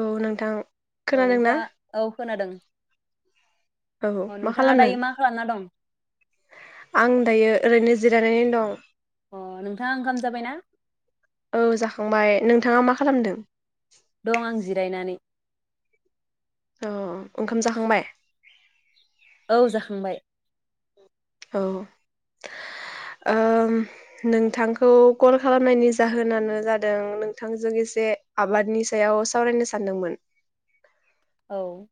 औ नोंथां। औ खोनादोंना नोंथाङा औ खोनादों। औ अ मा नोंथाङा खालामदों? दायो मा खालामना दं आं दायो ओरैनो जिरायनानैनो दं। अ नोंथाङा ओंखाम जाबायना औ जाखांबाय। नों नोंथाङा मा खालामदों? दं आं जिरायनानै औ ओंखाम जाखांबाय? औ जाखांबाय। औ ओ नोंथांखौ कल खालामनायनि जाहोनानो जादों नोंथांजों एसे आबादनि सायाव सावरायनो सानदोंमोन। औ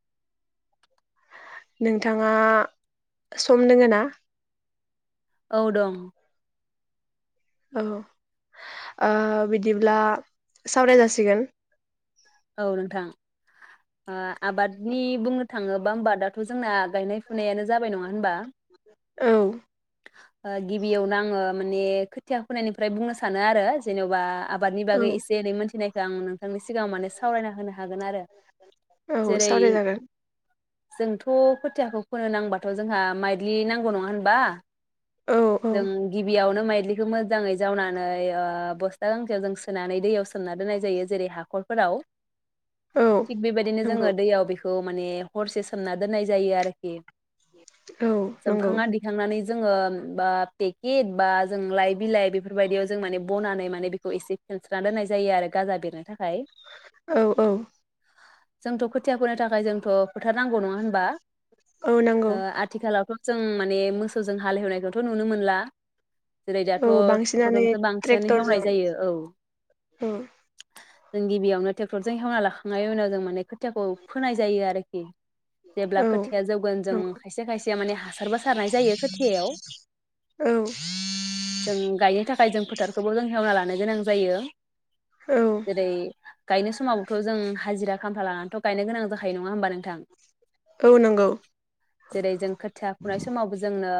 नोंथाङा सम दोङो ना? औ दं। औ बिदिब्ला सावराय जासिगोन। औ नोंथां इ आबादनि बुंनो थाङोब्ला होमबा दाथ' जोंना गायनाय फुनायानो जाबाय नङा होनबा? औ गिबियावनो आङो माने खोथिया फोनायनिफ्राय बुंनो सानो आरो जेन'बा आबादनि औ बागै एसे एनै मोनथिनाय आं नोंथांनि सिगां सावरायना होनो हागोन आरो औ जेरै सावरायजागोन जोंथ' खोथियाखौ फोनो नांबाथ' जोंहा माइलि नांगौ नङा होनबा? औ औ जों गिबियाव नों मायद्लिखौ मोजाङै जावनानै बस्था गांसेयाव जों सोनानै दैयाव सोमना दोननाय जायो जेरै हाखरफोराव। औ थिग बेबायदिनो जोङो नंगौ दैयाव बेखौ खौ माने हरसे सोमना दोननाय जायो आरोखि। औ नंगौ सोमखांना दिखांनानै जोङो बा पेकेट बा जों लाइ बिलाइ बेफोरबायदियाव जों माने बनानै माने बेखौ एसे फेनस्राना दोननाय जायो आरो गाजा बेरनो था खाय औ औ जोंथ' खोथिया फोनो थाखाय जोंथ' फोथारनांगौ नङा होनबा? औ ओ नंगौ आथिखालावथ' जों माने मोसौजों हालेवनायखौथ' नुनो मोनला। जेरै औ दाथ' बांसिनानो टिक्टरजोंसो बांसिनानो ट्रेक्टरजों हेवनाय जायो औ। औ जोंगि गिबियावनो टेक्टरजों हेवना लाखांनाय उनाव जों माने खोथियाखौ फोनाय जायो आरोखि जेब्ला औ खोथिया जौगोन जों नंगौ खायसे खायसे माने हासार बायो [unintelligible] औ जों गायनो जों फोथारखोबो जों हेवना लानो गोनां जायो। औ जेरै गायनाय समावबोथ' जों हाजिरा खामला लानानैथ' गायनो गोनां जाखायो नङा होमबा नोंथां? औ नोंगौ जेरै जों खोथिया फुनाय समावबो जोंनो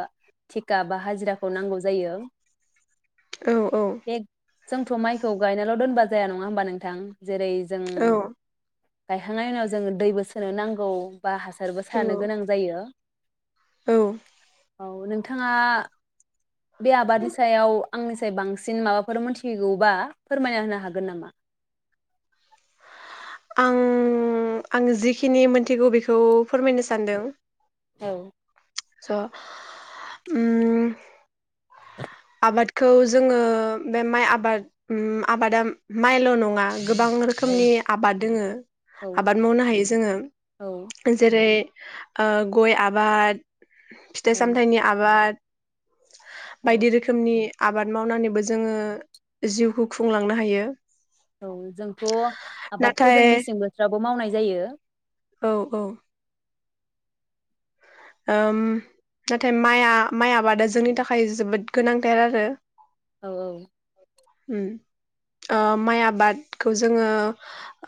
थिखा बा हाजिराखौ नांगौ जायो। औ औ बे जोंथ' माइखौ गायनाल' दोनबा जाया नङा होमबा नोंथां? जेरै जों औ गायखांनायनि उनाव जोंङो दैबो सोनो नांगौ। बा हासारबो औ सारनो गोनां जायो। औ औ नोंथाङा बे आबादनि सायाव आंनिफाय बांसिन माबाफोर मोनथिगौबा फोरमायना होनो हागोन नामा? आं आं जिखिनि मोनथिगौ बेखौ फोरमायनो सानदों औ स' उम आबादखौ जोङो बे माइ आबाद उम आबादा माइल' नङा गोबां औ रोखोमनि आबाद दोङो आबाद मावनो हायो जोङो औ जेरै ओ गय आबाद फिथाइ औ सामथायाइनि आबाद बायदि रोखोम नि आबाद मावनानैबो जोङो जिउखौ खुंलांनो हायो। औ जोंथ'आबादखौ नाथाय जों मेसें बोथोराव मावनाय जायो। औ औ ओम नाथाय माइआ माइआ आबादा जोंनि थाखाय जोबोद गोनांथार आरो औ औ माइ आबादखौ जोङो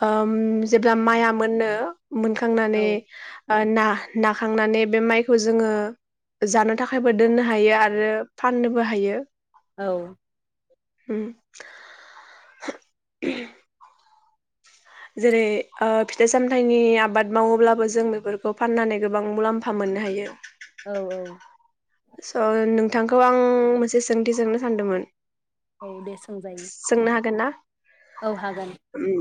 ओम जेब्ला माइआ मोनो मोनखांनानै औ ना नाखांनानै बे माइखौ जोङो जानो थाखायबो दोननो हायो आरो फाननोबो हायो। औ उम जेरै फिथाइ सामथायाइनि आबाद मावोब्लाबो जों बेफोरखौ फाननानै गोबां मुलाम्फा मोननो हायो। औ औ स नोंथांखौ आं मोनसे सोंथि सोंनो सानदोंमोन। औ दे सोंजायो। सोंनो हागोन ना औ हागोन। उम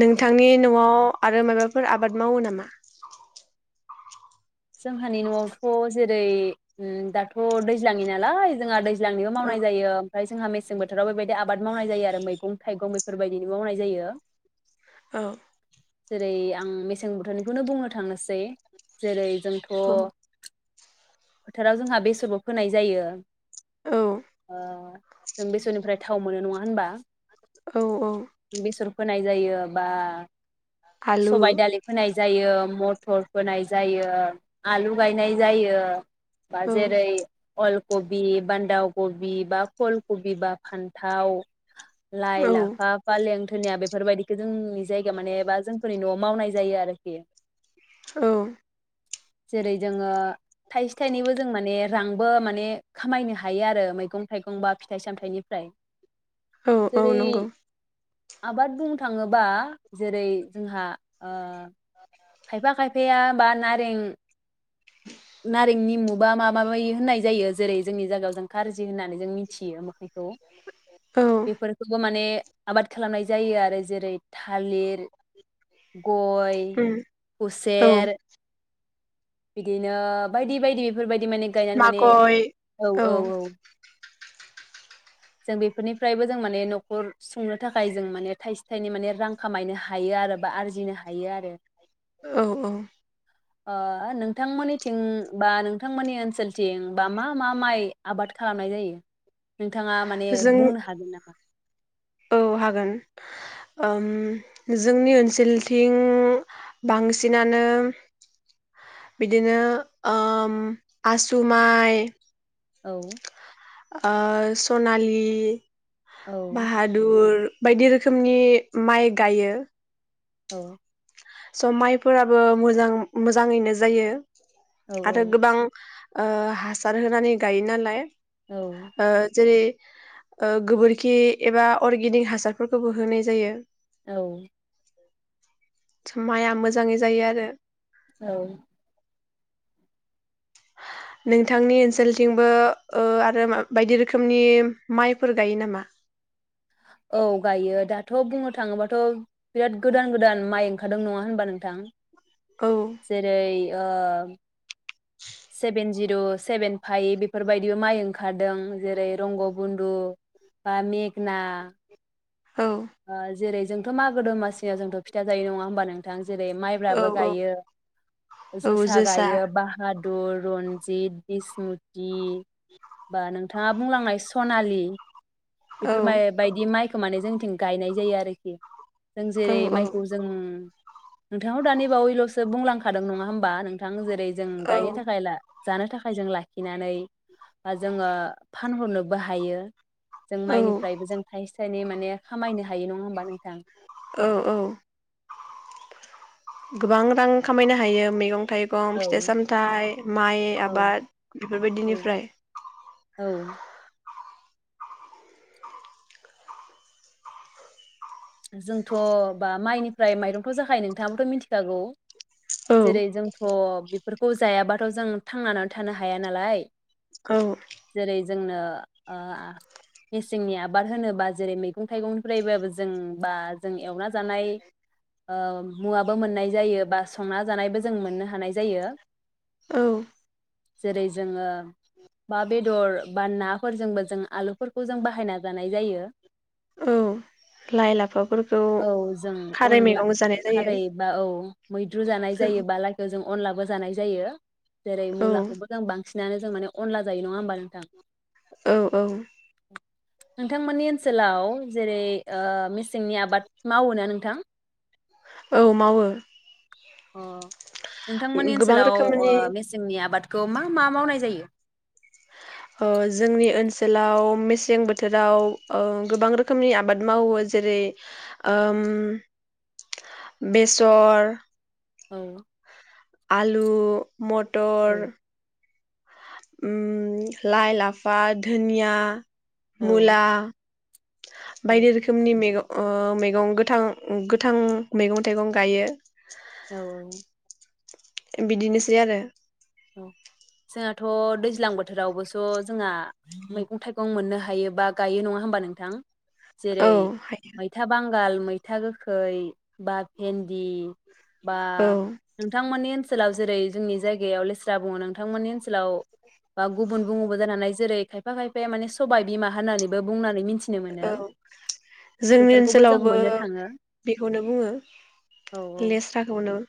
नोंथांनि नआव आरो माबाफोर आबाद मावो नामा? जोंहानि नआवथ जेरै दाथ दैज्लाङनि नालाय जोंहा दैज्लां निबो औ मावनाय जायो ओमफ्राय जोंहा मे मेसें बोथोराव बेबायदि आबाद मावनाय जायो आरो मैगं थाइगं बेफोरबायदिनो मावनाय जायो। औ जेरै आं मेसें बोथोरनिखौनो बुंनो थांनोसै। जेरै अ फोथाराव जोंहा बेसरबो फोनाय जायो। औ ओ जों बेसोरनिफ्राय थाव मोनो नङा होनबा। औ औ होनाय जायो बा आलु सबाइ दालिखौ फोनाय जायो मथर फोनाय जायो। आलु गायनाय जायो। बा औ जेरै अल कबि बान्दाव कबि बा फुल कबि बा फान्थाव लाइ औ लाफा फालें निया बेफोरबायदि जोंनि जायगा मानेबा जोंफोरनि नआव मावनाय जायो आरोखि औ जेरै जोङो थाइसे थाइनैबो जों माने रांबो माने खामायनो हायो आरो मैगं थाइगं बा फिथाइ सामथायाइनिफ्राय। औ औ नंगौ आबाद बुंनो थाङोबा जेरै जोंहा ओ खायफा खायफाया बा नारें नारें निमु बा माबा माबि होननाय जायो जेरै जोंनि जागायाव जों खारजि होननानै जों मिथियो मोखैखौ औ बेफोरखौबो माने आबाद खालामनाय जायो आरो जेरै थालिर गय उम औ उसेेर बिदिनो बायदि बायदि इफोरबाय बि माने गायनानै माने मागय औ औ औ जों बेफोरनिफ्रायबो जों माने न'खर सुंनो थाखाय जों माने थाइसे थाइनै माने रां खामायनो हायो आरो बा आरजिनो हायो आरो। औ औ। ओ नोंथांमोननिथिं बा नोंथांमोननि ओनसोलथिं बा मा मा माइ आबाद खालामनाय जायो? नोंथाङा माने जों बुंनो हागोन नामा? औ हागोन उम जोंनि ओनसोलथिं बांसिनानो बिदिनो ओम आसु माइ औ। ओ सनालि औ बाहादुर बायदि रोखोमनि माइ गायो औ। स' माइफोराबो मोजां मोजाङैनो जायो। औ आरो गोबां ओ हासार होनानै गायो नालाय ओ जेरै ओ गोबोरखि एबा अर्गेनिक हासारफोरखोबो होनाय जायो। औ। माइआ मोजाङै जायो आरो औ। नोंथांनि ओनसोलथिंबोओ ओ आरो बायदि रोखोमनि माइफोर गायो नामा? औ गायो दाथ' बुंनो थाङोबाथ' बिराद गोदान गोदान माइ ओंखारदों नङा होनबा नोंथां? औ जेरै ओ सेबेन जिर' सेबेन फाइभ बेफोरबायदिबो माइ ओंखारदों जेरै रंग बन्दु बा मेगना औ ओ जेरै थ' मागो दमासियाव जोंथ' फिथा जायो नङा होनबा नों जेरै औ माइब्राबो औ गायो जोसा गायो बाहादुर र-रन्जित, बिसमुति बा नों नोंथाङा बुंलांनाय सनालि। औ बेफोर माइ बायदि माइ खौ माने जोंथिं गायनाय जायो आरोखि। जों जेरै औ माइखौ जों नोंथां दानि बावैल'सो बुंलांखादों नङा होमबा नोंथां जेरै जों औ गायनो थाखाय ला जानो थाखाय जों लाखिनानै जोङो फानहरनोबो हायो। जों औ माइनिफ्रायबो जों थाइसे थाइनै माने खामायनो हायो नङा होमबा नोंथां। औ औ गोबां रां खामायनो हायो मैगं मैगं थाइगं औ फिथाइ सामथाइ माइ औ आबाद औ बेफोरबायदिनिफ्राय। औ जोंथ' बा माइनिफ्राय माइरंथ' जाखायो नोंथाङाबोथ' मिथिखागौ। औ जेरै जोंथ'। बेफोरखौ जायाबाथ' जों थांनानै थानो हाया नालाय। औ। जेरै जोंनो मेसेंनि आबाद होनोबा जेरै मैगं थाइगंनिफ्रायबो। जों बा जों एवनानै जानाय ओं। मुवाबो मोननाय जायो बा संना जानायबो जों मोननो हायो। जायो औ जेरै जोङो बा बेदर बा नाफोरजोंबो जों आलुफोरखौ जों बाहायना जानाय जायो। औ लाइ लाफाफोरखौ औ जों खारै अनला मैगं जानाय जायो खारैबा औ मैद्रु जानाय जायो बा लायखौ जों अनलाबो जानाय जायो। जेरै औ मुलाखौबो जों बांसिन बांसिनानो जों माने अनला जायो नङा होमबा नोंथां। औ औ। बिथांमोननि ओनसोलाव जेरै मेसेंनि आबाद मावोना नोंथां? औ मावो। अ नोंथांमोननि गोबां ओनसोलाव रोखोमनि मेसेंनि आबादखौ मा मा मावनाय जायो? जोंनि ओनसोलाव मेसें बोथोराव गोबां रोखोमनि आबाद मावो जेरै बेसर। औ आलु औ मटर उम लाइ लाफा धोनिया औ मुला बायदि औ रोखोमनि मेगं ओ मैगं गोथां गोथां मैगं थाइगं गायो औ बिदिनोसै आरो जोंहाथ' दैज्लां बोथोरावबोस' जोंहा मैगं थाइगं मोननो हायो बा गायो नङा होमबा नोंथां जेरै औ मैथा बांग बाल मैथा गोखै बा भेन्दि बा औ नोंथां मोननि ओनस सोलाव जेरै जोंनि जायगायाव लेस जा बुङो नोंथांमोननि ओनसोलाव बा गुबुन बुङोबो जानो हानाय। जेरै खायफा खायफाया माने सबाय बिमा होननानैबो बुंनानै मिथ औ जोंनि जों ओनसोलावबो मोननो थाङो बेखौनो बुङो औ लेस्राखौनो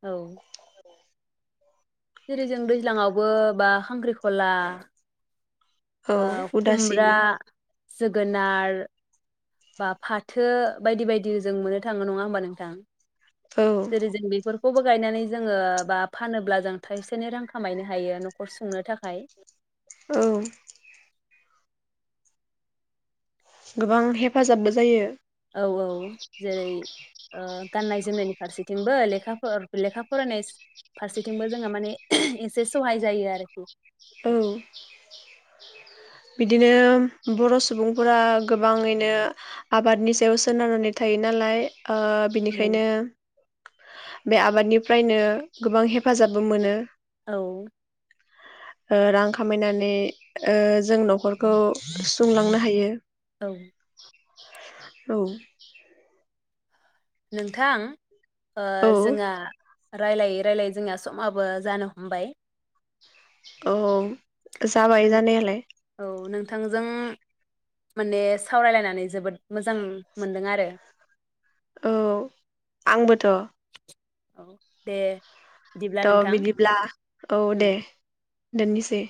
औ जेरै जों दैज्लाङावबो बा खांख्रिखला औ ओ उदासि खुमब्रा जोगोनार बा फाथो बायदि बायदि जों मोननो थाङो नङा होमबा नोंथां? औ जेरै जों बेफोर खौबो गायनानै जोङो बा फानोब्ला जों थाइसे थाइनै रां खामायनो हायो न'खर सुंनो थाखाय। औ गोबां हेफाजाबबो जायो। औ औ जेरै ओ गाननाय जोमनायनि फारसेथिंबो लेखाफोर लेखा फरायनायस फारसेथिंबो जोङो माने एसे सहाय जायो आरोखि। औ बिदिनो बर' सुबुंफोरा गोबाङैनो आबादनि सायाव सोनारनानै थायो नालाय ओ औ बिनिखायनो बे आबादनिफ्रायनो गोबां हेफाजाबबो मोनो। औ ओ रां खामायनानै ओ जों न'खरखौ सुंलांनो हायो। औ औ नोंथां ओ औ जोङा रायलायै रायलायै जोंना समाबो जानो हमबाय औ जाबाय नों जानायालाय औ नोंथांजों माने सावरायलायनानै जोबोद मोजां मोनदों आरो। औ आंबोथ'। अ दे बिदिब्ला थ नोंथां बिदिब्ला औ उम दे। दोननिसै‌।